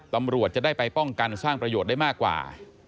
ตำรวจจะได้ไปป้องกันสร้างประโยชน์ได้มากกว่า